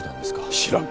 知らん。